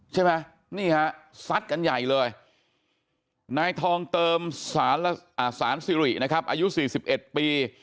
ใช่มั้ยนี่ฮะสัดกันใหญ่เลยนายทองเติมสานคสหรีนะครับอายุสิบเอ็ดปี